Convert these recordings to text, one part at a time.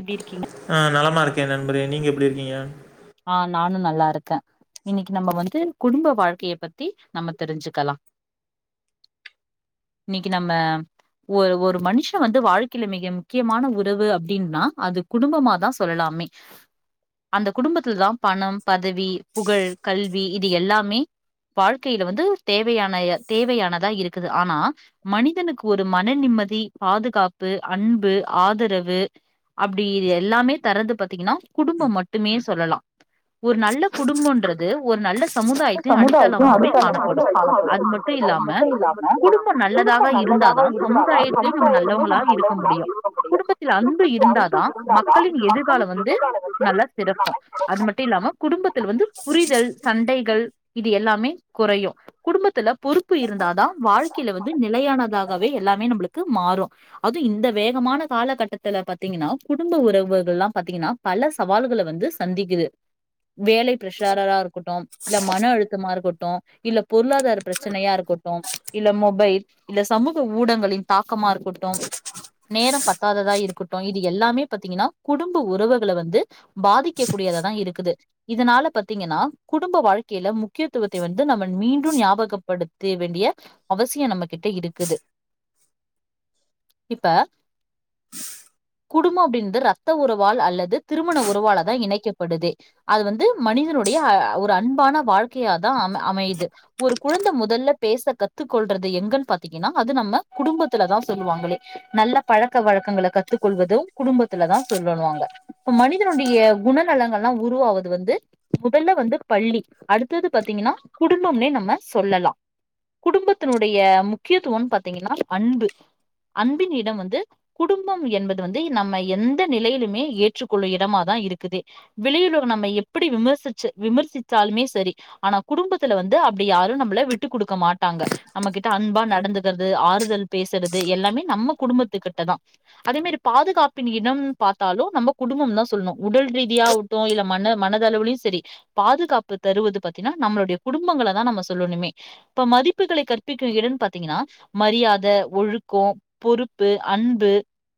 எப்டி இருக்கீங்க ஆ நலமா இருக்கே நண்பரே நீங்க எப்டி இருக்கீங்க ஆ நானு நல்லா இருக்கே இன்னிக்கி நம்ம வந்து குடும்ப வாழ்க்கைய பத்தி நம்ம தெரிஞ்சுக்கலா இன்னிக்கி நம்ம ஒரு ஒரு மனுஷ வந்து வாழ்க்கைல மிக முக்கியமான உறவு அப்டின்னா அது குடும்பமாதா சொல்லலாமே குடும்பத்துல தா பணம் பதவி புகழ் கல்வி இது எல்லாமே வாழ்க்கைல வந்து தேவையானய தேவையானதா இருக்குது ஆனா மனிதனுக்கு ஒரு மன நிம்மதி பாதுகாப்பு அன்பு ஆதரவு அப்டி இது எல்லாமே தர்ரது பாத்தீங்னா குடும்பம் மட் மட்டுமே சொல்லலா ஒரு நல்ல குடும்போன்றது ஒரு நல்ல சமுதாயத்தின் அடித்தளமாவே காணப்படோ அது மட்டோ இல்லாம குடும் ப நல்லதாக இருந்தாதா சமுதாயத்திலியு நம்ம நல்லவங்களா இருக்க முடியு குடும்பத் தில் அன்பு இருந்தா தா மக்களின் எதிர்காலோ வந்து நல்லா சிறக்கோ அது மட்டு இல்லாம குடும்பத்தில் வந்து புரிதல் சண்டைகள் இது எல்லாமே குறையு குடும்பத்துல பொறுப்பு இருந்தாதா வாழ்க்கையில வந்து நிலையானதாகவே எல்லாமே நம்புளுக்கு மாறு அதுவு இந்த வேகமான காலகட்டத்தில பாத்தீங்கனா குடும்ப உறவுகள்லா பாத்தீங்கன்னா பல சவால்கள வந்து சந்திக்குது வேல பிரஷாரரா இருக்கட்டு இல்ல மன அழுத்தமா இருக்கட்டு இல்ல பொருளாதார பிரச்சனையா இருக்கட்டு இல்ல மொபைல் இல்ல சமூக ஊடங்களின் தாக்கமா இருக்கட்டு நேரம் பத்தாததா இருக்கட் டு இது எல்லாமே பாத்தீங்கனா குடும்ப உறவுகள வந்து பாதிக்க கூடியததா இருக்குது இதனால பத்தீங்கன்னா குடும்ப வாழ்க்கையில முக்கியத்துவத்தை வந்து நம்ம மீண்டு ஞாபகப்படு த்தே வேண்டிய அவசிய நம்மகிட்ட இருக்குது இப்ப குடும்ப அப்டின்து ரத்த உறவால் அல்லது திருமண உறவாலதா இணைக்கப்படுதே அது வந்து மனிதனுடைய அ ஒரு அன்பான வாழ்க்கையாதா அம அமையுது ஒரு குழந்த முதல்ல பேச கத்துக்கொள்றது எங்கன் பாத்தீங்கன்னா அது நம்ம குடும்பத்துலதா சொல்வாங்ளே நல்ல பழக்க வழக்கங்கள கத்துக்கொள்வது குடும்பத்துல தா சொல்லணுவாங்க இப்ப மனி தனுடைய குணநலங்கள்லா உருவாவது வந்து முதல்ல வந்து பள்ளி அடுத்தது பாத்தீங்கன்னா குடும்பம்னே நம்ம சொல்லலா குடும்பத்துனுடைய முக்கியத்துவம் பாத்தீங்கன்னா அன்பு அன்பின் இடம் வந்து குடும்பம் என்பது வந்து நம்ம எந்த நிலையிலுமே ஏற்றுக்கொள்ள எடமாதா இருக்குது வெளியுலக நம்ம எப்டி விமர்சிச்ச விமர்சிச்சாலுமே சரி ஆனா குடும்பத்துல வந்து அப்டி யாரு நம்ள விட்டு குடுக்க மாட்டாங்க நம்மகிட்ட அன்பா நடந்துகிறது ஆறுதல் பேசுறது எல்லாமே நம்ம குடும்பத்துக்கிட்ட தா அதே மாரி பாதுகாப்பின் இடம் பாத்தாலு நம்ப குடும்பம் தா சொல்ணு உடல் ரீதியாவட்டு இல்ல மன மனதளவுலையு செரி பாதுகாப்பு தருவது பத்தீன்னா நம்மளுடைய குடும்பங்கள தா நம்ம சொல்லணுமே இப்ப மதிப்புகளை கற்பிக்கு இடன் பாத்தீங்கனா மரியாத ஒழுக்கோ பொறுப்பு அன்பு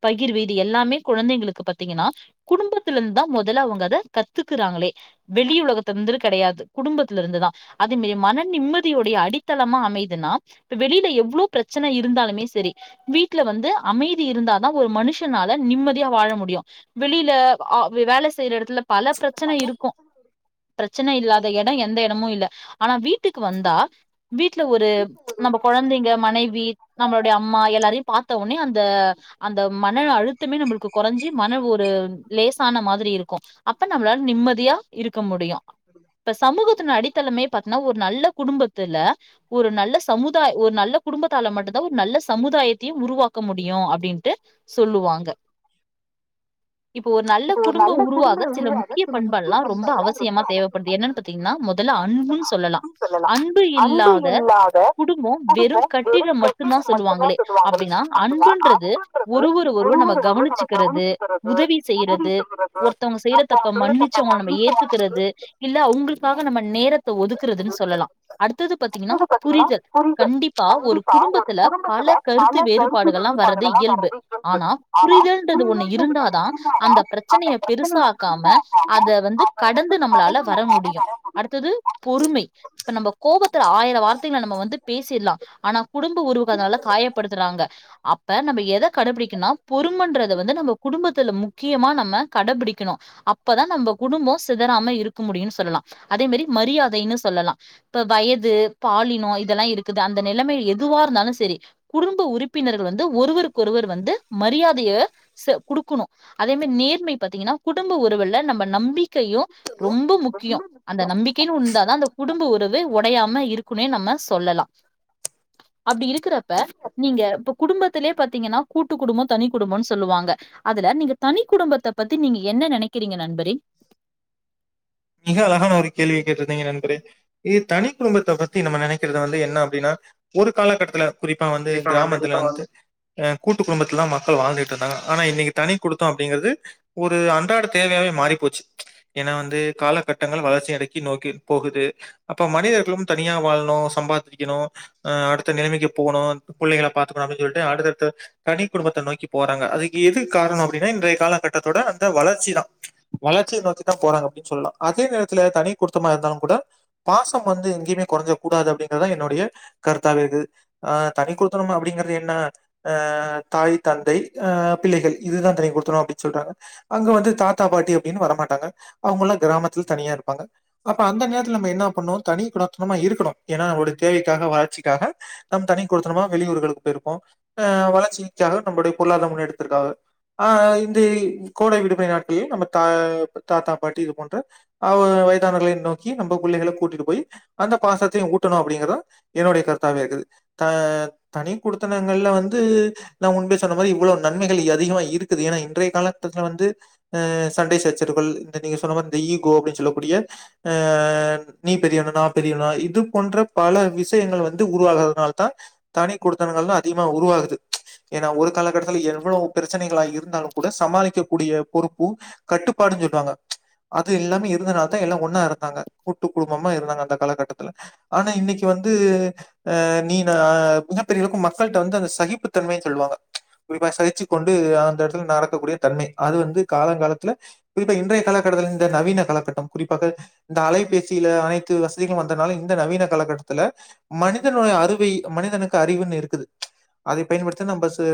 பகிர்வு இது எல்லாமே குழந்தைங்களுக்கு பாத்தீங்கனா குடும்ப த்துல இந்து தா முதல அவுங்க அத கத்துக்குறாங்களே வெளி உலகத்துலந்ரு கிடையாது குடும்பத்துலருந்துதா அதுமே மன நிம்மதியுடைய அடித்தளமா அமையுதுனா இப்ப வெளியில எவ்ளோ பிரச்சன இருந்தாலுமே செரி வீட்ல வந்து அமைதி இருந்தாதா ஒரு மனுஷனால நிம்மதியா வாழ முடியு வெளில அ வேல செய்ற எடத்துல பல பிரச்சன இருக்கு பிரச்சன இல்லாத எடோ எந்த எடமு இல்ல ஆனா வீட்டுக்கு வந்தா வீட்ல ஒரு நம்ம குழந்தைங்க மனைவி நம்மளோடைய அம்மா எல்லாரையு பாத்த ஒடனே அந்த அந்த மன அழுத்தமே நம்மளுக்கு குறஞ்சு மன ஒரு லேசான மாதிரி இருக்கு அப்ப நம்ளால நிம்மதியா இருக்க முடியு இப்ப சமூகத்தின் அடித்தளமே பாத்தீன்னா ஒரு நல்ல குடும்பத்துல ஒரு நல்ல சமுதாய ஒரு நல்ல குடும்பத்தால மட்டுதா ஒரு நல்ல சமுதாயத்தையு உருவாக்க முடியு அப்டின்ட்டு சொல்லுவாங்க இப்போ ஒரு நல்ல குடும்போ உருவாக சில முக்கிய பண்பெல்ல ரொம்ப அவசியமா தேவப்படுது என்னன் பாத்தீங்கன்னா முதல அன்புன் சொல்லலா அன்பு இல்லாத குடும்போ வெறு கட்டிட மட் டுந்தா சொல்லுவாங்களே அப்டின்னா அன்புன்றது ஒருவர ஒருவர் நம்ம கவனிச்சுக்றது உதவி செய் ய்யறது ஒருத்தவுங்க செய்ற தப்ப மன்னிச்சு அவுங்கள நம்ம ஏத்துக்கிறது இல்ல அவுங்களுக்காக நம்ம நேரத்த ஒதுக்குறதுனு சொல்லலா அடுத்தது பாத்தீங்கன்னா புரிதல் கண்டிப்பா ஒரு குடும்பத்துல பல கருத்து வேறுபாடுகள்லா வர்றது இயல்பு ஆனா புரிதல்ன்றது ஒண்ணு இருந்தா தா அந்த பிரச்சனய பெருசாக்காம அத வந்து கடந்து நம்மளால வர முடியு அடுத்தது பொறுமை இப்ப நம்ம கோபத்துல ஆயிர வார்த்தைகள நம்ம வந்து பேசிலா அனா குடும்ப உறவுகள்னால காயப்படுத்துறாங்க அப்ப நம்ம எத கடபிடிக்கனா பொறுமன்றத வந்து நம்ம குடும்பத்துல மு முக்கியமா நம்ம கடபிடிக்கணு அப்பதா நம்ம குடும்போ சிதறாம இருக்க முடியுனு சொல்லலா அதே மாரி மரியாதைனு சொல்லலா இப்ப வயது பாலினோ இதெல்லா இருக்குது அந்த நிலமை எதுவா இருந்தாலு செரி குடும்ப உறுப்பினர்கள் வந்து ஒருவருக்கொருவர் வந்து மரியாதைய செ குடுக்கணு அதே மாரி நேர்மை பாத்தீங்கன்னா குடும்ப உறவுல நம்ம நம்பிக்கையு ரொம்ப முக்கியோ அந்த நம்பிக்கைனு ஒன்னு இருந்தாதா அந்த குடும்ப உறவு ஒடையாம இருக்குன்னே நம்ம சொல்லலா அப்டி இருக்கிறப்ப நீங்க இப்ப குடும்பத் லே பாத்தீங்கன்னா கூட்டு குடும்போ தனி குடும்போனு சொல்லுவாங்க அது இதுல நீங்க தனி குடும்பத்த பத்தி நீங்க என்ன நெனைக்கிறீங்க நண்பரே மிக அழகான ஒரு கேள்விய கேட்டிருந்தீங்க நண்பறே இது தனி குடும்பத்த பத்தி நம்ம நெனைக்கிறது வந்து என்ன அப்டினா ஒரு காலகட்டத்துல குறிப்பா வந்து கிராமத்துல வந்து அ கூட்டு குடுபத்துல்ல தா மக்கள் வாழ்ந்துட்டு இருந்தாங்க ஆனா இன்னைக்கு தனி குடுத்தோ அப்டிங்கிறது ஒரு அன்றாட தேவையாவே மாறிப் போச்சு ச் ஏன்னா வந்து காலகட்டங்கள் வளர்ச்சி அடக்கி நோக்கி போகுது அப்ப மனிதர்களும் தனியா வாழணு சம்பாதிக்கணு அ அடுத்த நிலமைக்கு போணு புள்ளைங்கள பாத்துக்கணு அப்டினு சொல்லிட்டு அடுத்தடுத்த தனி குடும்பத்த நோக்கி போறாங்க அதுக்கு எது காரணோ அப்டினா இன்றைய காலகட்டத்தோட அந்த வளர்ச்சி தா வளர்ச்சிய நோக்கித்தா போறாங்க அப்டின் சொல்லலா அதே நேரத்துல தனி குடுத்தமா இருந்தாலு கூட பாசம் வந்து எங்கேயுமே குறஞ்சுற கூடாது அப்டிங்கிறது தா என்னுடைய கருத்தாகுது ஆ தனி குடுத்தத்தனோ அப்டிங்கறது என்ன அ தாய் தந்தை ஆ பிள்ளைகள் இதுதா தனி குடுத்தணு அப்டினு சொல்றாங்க அங்க வந்து தாத்தா பாட்டி அப்டினு வரமாட்டாங்க அவுங்கெல்லா கிராமத்துல தனியா இருப்பாங்க அப்ப அந்த நேரத்துல நம்ம என்ன பண்ணுவோ தனி குடாத்தனமா இருக்கணு ஏன்னா நம்மோடைய தேவைக்காக வளர்ச்சிக்காக நம் தனி குடுத்தணுமா வெளியூர்களுக்கு போயிருப்போ அ வளர்ச்சிக்காக நம்முடைய பொருளாதார முன்னேற்றத்ர்க்காங்க ஆ இந்த கோடை விடுமுறை நாட்கள்ள நம்ம த தாத்தா பாட்டி இது போன்ற அவ் வயதானவர்களை நோக்கி நம்ம புள்ளைகள கூட்டிட்டு போய் அந்த பாசத்தயு ஊட்டணு அப்டிங்கறதா என்னுடைய கருத்தாவே இருக்குது த தனி குடுத்தனங்கள்ல வந்து நா முன்பே சொன்ன மாரி இவ்ளோ நன்மைகள் அதிகமா இருக்குது ஏன்னா இன்றைய காலட்டத்துல வந்து அ சண்டை சச்சரவுகள் இந்த நீங்க சொன்ன மாரி இந்த ஈகோ அப்டின் சொல்லக்கூடிய அ நீ பெரியவனா நா பெரியவனா இது போன்ற பல விஷயங்கள் வந்து உருவாகறதுனால தா தனி குடுத்தனங்கள்லா அதிகமா உருவாகுது ச் ஏன்னா ஒரு காலகட்டத்துல எவ்ளோவு பிரச்சனைகளா இருந்தாலு கூட சமாளிக்க கூடிய பொறுப்பு கட்டுப்பாடுன் சொல்றாங்க அது இல்லாம இருந்தனால தா எல்லா ஒன்னா இருந்தாங்க கூட்டு குடும்பமா இருந்தாங்க அந்த காலகட்டத்துல ஆனா இன்னைக்கு வந்து அ நீ ந மிகப்பெரிய அளக்கு மக்கள்கிட்ட வந்து அந்த சகிப்பு தன்மைன்னு சொல்லுவாங்க ச் குறிப்பா சகிச்சு கொண்டு அந்த எடத்துல நடக்கக்கூடிய தன்மை அது வந்து காலங்காலத்துல குறிப்பா இன்றைய காலகட்டத்த இந்த நவீன காலகட்டம் குறிப்பாக இந்த அலைபேசியில அனைத்து வசதிகளு வந்தனால இந்த நவீன காலகட்டத்துல மனிதனோட அறிவி மனிதனுக் அறிவுன்னு இருக்குது ச் அத பயன்படுத்த நம்மசு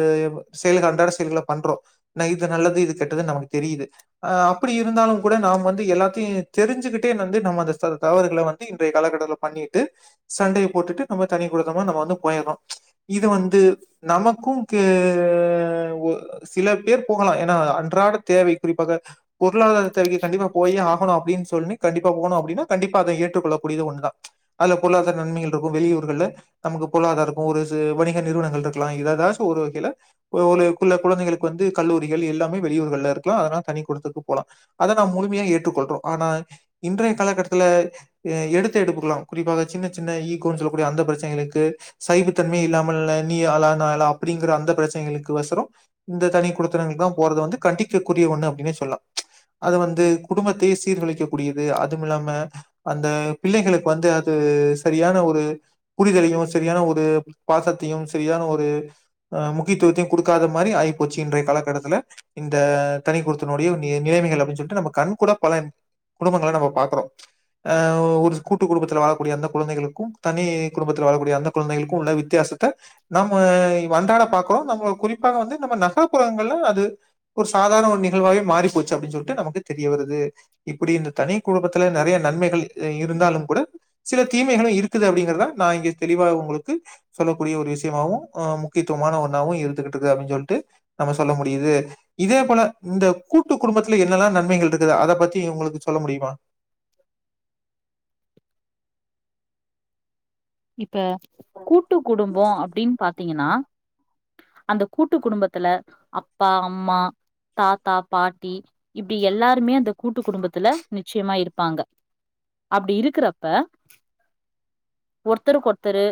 செயல்கள் அன்றாட செயல்கள பண்றோ ந இது நல்லது இது கெட்டதுன்னு நமக்கு தெரியுது ஆ அப்டி இருந்தாலு கூட நாம் வந்து எல்லாத்தை தெரிஞ்சுகிட்டே வந்து நம்ம அந்த தவறுகள வந்து இன்றைய காலகட்டத்துல பண்ணிட்டு சண்டைய போட்டுட்டு நம்ம தனி குடுத்தமா நம்ம வந்து போயறோ இது வந்து நமக்கும் கே சில பேர் போகலா ஏனா அன்றாட தேவை குறிப்பாக பொருளாதார தவிக்கி கண்டிப்பா போயே ஆகணு அப்டின்னு சொன்னி கண்டிப்பா போனு அப்டின்னா கண்டிப்பா அத ஏற்றுக்கொள்ளக்கூடியது ஒன்னுதா அதுல பொருளாதார நன்மைகள் இருக்கு வெளியூர்கள்ல நமக்கு பொருளாதார இருக்கு ஒரு சி வணிக நிறுவனங்கள் இருக்கலா ஏதாச்சு ஒரு வகைல ஒருளுக்குள்ள கொழந்தைங்களுக் வந்து கல்லூரிகள் எல்லாமே வெளியூர்கள்ல இருக்கலா அதனா தனி குடுத்துக்கு போலா அத நாம் முழுமையா ஏற்றுக்கொள்றோ ஆனா இன்றைய காலகட்டத்துல ஹ எடுத்த எடுப்புக்கலா குறிப்பா சின்ன சின்ன ஈகோன்னு சொல்லக்கூடிய அந்த பிரச்சனைகளுக்கு சைப்பு தன்மை இல்லாமல்ல நீ ஆளா ந ஆளா அப்டிங்கிற அந்த பிரச்சனைகளுக்கு வசரம் இந்த தனி குடுத்தனங்களுக்கு தா போறது வந்து கண்டிக்கக்குரிய ஒண்ணு அப்டின்னே சொல்லலா அது வந்து குடும்பத்தையே சீர்கழிக்க கூடியது அதும் இல்லாம அந்த பிள்ளைகளுக்கு வந்து அது சரியான ஒரு புரிதலையு சரியான ஒரு பாசத்தையு சரியான ஒரு அ முக்கியத்துவத்தையு குடுக்காத மாரி ஆயிப்போச்சு இன்றைய காலகட்டத்துல இந்த தனிக்குடுத்தனுடைய நிலமைகள்ல னு சொட்டு நம்ம கண் கூட பல குடும்பங்கள நம்ம பாக்குறோ ஹ ஒரு கூட்டு குடும்பத்தில வாழக்கூடிய அந்த கொழந்தைகளுக்கு தனி குடும்பத்தில வாழக்கூடிய அந்த கொழந்தைகளுக் உள்ள வித்தியாசத்த நம்ம வன்றாட பாக்குறோ நம்ம குறிப்பாக வந்து நம்ம நகரப்புறங்கள்ல அது ஒர் சாதாண ஒரு நிகழ்வாவே மாறி போச்சு அப்டின் சொல் ட்டு நமக்கு தெரிய வருது இப்டி இந்த தனி குடும்பத்துல நெறைய நன்மைகள் இருந்தாலு கூட சில தீமைகளு இருக்குது அப்டிங்கறத நா இங்க தெளிவா உங்களுக் சொல்லக்கூடிய ஒரு விஷயமாவு ஆ முக்கியத்துவமான ஒன்னாவு இருந்துகிட்டு இருக்கு அப்டின்னு சொல்ட்டு நம்ம சொல்ல முடியுது இதே போல இந்த கூட்டு குடும்பத் என்னெல்லா நன்மைகள் இருக்குது அத பத்தி உங்ளுக்கு சொல்ல முடியுமா இப்ப கூட்டு குடும்போ அப்டின்னு பாத்தீங்கனா அந்த கூட்டு குடும்பத்துல அப்பா அம்மா தாத்தா பாட்டி இப்டி எல்லாருமே அந்த கூட்டு குடும்பத்துல நிச்சயமா இருப்பாங்க அப்டி இருக்கறப்ப ஒருத்தருக் ஒருத்தரு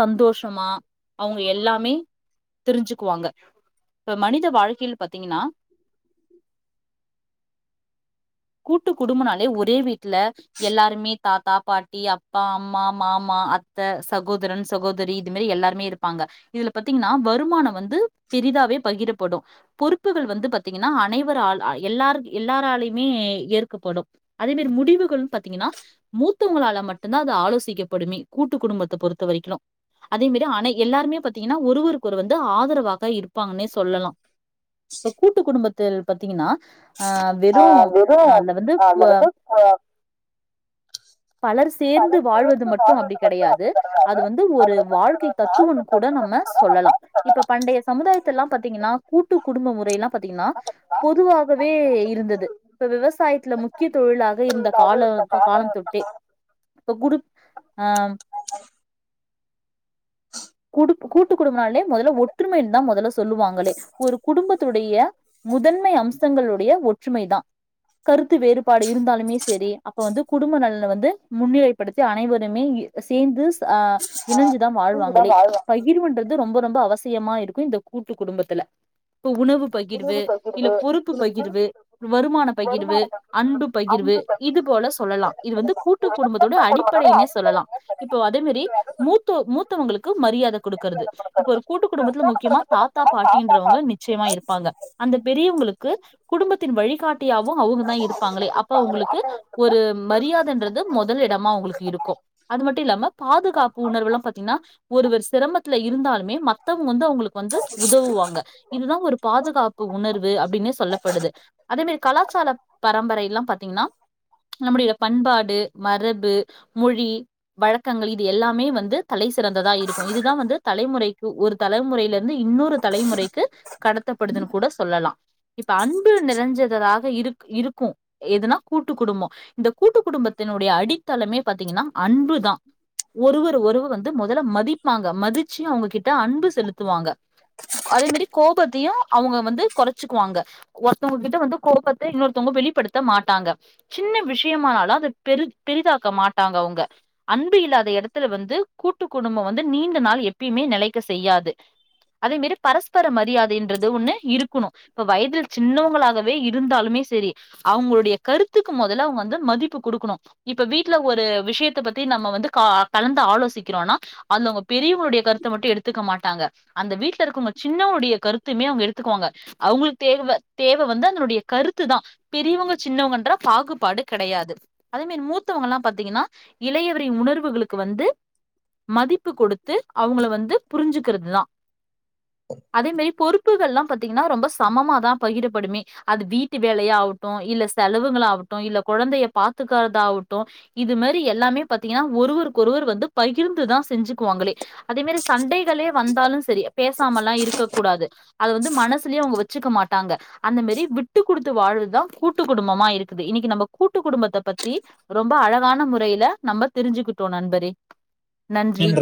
சந்தோஷமா அவங்க எல்லாமே தெரிஞ்சுக்குவாங்க இப்ப மனித வாழ்கையில் பாத்தீங்கனா கூட்டு குடும்பனாலே ஒரே வீட்ல எல்லாருமே தாத்தா பாட்டி அப்பா அம்மா மாம் மா அத்த சகோதரன் சகோதரி இது மாரி எல்லாருமே இருப்பாங்க இதுல பத்தீங்கனா வருமான வந்து பெரிதாவே பகிரப்படு பொறுப்புகள் வந்து பாத்தீங்கன்னா அனைவரால் எல்லார் எல்லாராலயுமே ஏற்கப்படு அதே மாரி முடிவுகள்ன்னு பாத்தீங்கனா மூத்தவங்களால மட்டுதா அது ஆலோசிக்கப்படுமே கூட்டு குடும்பத்த பொறுத்த வரைக்கு அத மாரி ஆனா எல்லாருமே பாத்தீங்கனா ஒருவருக்கொருவர் வந்து ஆதரவாக இருப்பாங்கனே சொல்லலா இப்போகூட்டு குடும்பத்தில் பத்தீங்கனா அஹ் வெறு அ அதுல வந்து பூவப் பலர் சேர்ந்து வாழ்வது மட் டியாது வந்து ஒரு வாழ்க்கை தத்துவோன்னு கூட நம்ம சொல்லலா இப்போபண்டைய சமுதாயத்த எல்லா பாத்தீங்கன்னா கூட்டு குடும்ப முறைல்லா பாத்தீங்கன்னா பொதுவாகவே இருந்தது இப்போ விவசாயத்துல முக்கிய தொழிலா இருந்த கால காலம் தொட்டே இப்ப குடு அ குடுக கூட்டு குடும்னாலே மொதல்ல ஒற்றுமை தா மொதல்ல சோ சொல்லுவாங்களே ஒரு குடும்பத்துடைய முதன்மை அம்சங்களுடைய ஒற்றுமை தா கருத்து வேறுபாடு இருந்தாலுமே சேரி அப்ப வந்து குடும்ப நலன வந்து முன்னிலைப்படுத்தி அனைவருக் மே சேந்து ச அ இணஞ்சிதா வாழ்வாங்களே பை உயிர் பண்றது ரொம்ப ரொம்ப அவசியமா இருக்கும் இந்த கூட்டு குடும்பத்துல உணவு பகிர்வு இல்ல பொறுப்பு பகிர்வு வருமான பகிர்வு அன்பு பகிர்வு இது போல சொல்லலா இது வந்து கூட்டு குடும்பத்தோட அடிப்படையினே சொ சொல்லலா இப்போ அதே மாரி மூத்தோ மூத்தவங்களுக்கு மரியாத குடுக்கறது இப்போ ஒரு கூட்டு குடும்பத்துல முக்கியமா தாத்தா பாட்டின்றவங்க நிச்சயமா இருப்பாங்க அந்த பெரியவங்களுக்கு குடும்பத்தின் வழிகாட்டியாவு அவங்க தா இருப்பாங்களே அப்ப அவங்களுக்கு ஒரு மரியாதன்றது மோதல் இடமா உங்களுக்கு இருக்கோ அது மட்டு இல்லாம பாதுகாப்பு உணர்வல்லா பாத்தீங்கன்னா ஒருவர் சிரமத்துல இருந்தாலுமே மத்தவங்க வந்து அவங்களுக்கு வந்து உதவுவாங்க இதுதா ஒரு பாதுகாப்பு உணர்வு அப்டின்னே சொல்லப்படுது அதே மரி கலாச்சாலப் பரம்பரைல்லா பாத்தீங்கன்னா நம்முடைய பண்பாடு மரபு மொழி வழக்கங்கள் இது எல்லாமே வந்து தலை சிறந்ததா இருக்கோ இதுதா வந்து தலைமுறைக் ஒ ஒரு தலமுறைலந்து இன்னொரு தலைமுறைக்கு கடத்தப்படுதுன்னு கூட சொல்லலா இப்ப அன்பு நிறஞ்சததாக இரு இருக்கோ எதுனா கூட்டு குடும்போ இந்த கூட்டு குடும்பத்தினுடைய அடித்தளமே பாத்தீங்கன்னா அன்புதா ஒருவர் ஒருவ வந்து முதல்ல மதிப்பாங்க மதிச்சு அவங்ககிட்ட அன்பு செலுத்துவாங்க அதே மாரி கோபத்தையு அவங்க வந்து கொறச்சுக்குவாங்க ஒருத்தவங்க கிட்ட வந்து கோவத்த இன்னொருத்தவங்க வெளிப்படுத்த மாட்டாங்க சின்ன விஷயமானாலோ அத பெரு பெரிதாக்க மாட்டாங்க அவங்க அன்பு இல்லாத எடத்துல வந்து கூட்டு குடும்போ வந்து நீண்ட நாள் எப்பயுமே நிலைக்க செய்யாது அதே மரி பரஸ்பர மரியாதைன்றது ஒண்ணு இருக்கணு இப்ப வயதில் சின்னவங்களாகவே இருந்தாலுமே சேரி அவங்களுடைய கருத்துக்கு மொதல்ல அவங்க வந்து மதிப்பு குடுக்கணு இப்ப வீட்ல ஒரு விஷயத் த்த பத்தி நம்ம வந்து கா கலந்து ஆலோசிக்கறோனா அதுங்க பெரியவங்களுட கருத்த மட்டு எடுத்துக்க மாட்டாங்க அந்த வீட்ல இருக்கவங்க சின்னவுடைய கருத்துமே அவங்க எடுத்துக்குவாங்க அவ்ளுக்கு தேவ தேவ வந்து அதனுடைய கருத்து தா பெரியவங்க சின்னவங்கன்ற பாகுபாடு கடையாது அதே மரி மூத்தவங்க எல்லா பாத்தீங்கன்னா இளையவரி உணர்வுளுக்கு வந்து மதிப்பு கொடுத்து அவங்கள வந்து புரிஞ்சுக்குறதுதா அதே மரி பொறுப்புகள்லா பாத்தீங்கன்னா ரொம்ப சமமாதா பகிரப்படுமே அது வீட்டு வேலையாவட்டோ இல்ல செலவுங்கள் ஆவட்டோ இல்ல கொழந்தைய பாத்துக்கறது ஆவட்டோ இது மரி எல்லாமே பாத்தீங்கன்னா ஒருவருக் ஒருவர் வந்து பகிர்ந்துதா செஞ்சுக்குவாங்களே அதே மரி சண்டைகளே வந்தாலு சேரி பேசாமல்லா இருக்க கூடாது அத வந்து மனசுலயு அவங்க வச்சுக்க மாட்டாங்க அந்த மாரி விட்டு கொடுத்து வாழ்வதுதா கூட்டு குடும்பமா இருக்குது இன்னைக்கு நம்ம கூட்டு குடும்பத்த பத்தி ரொம்ப அழகான முறைல நம்ம தெரிஞ்சுக்கிட்டோ நண்பரே நன்றி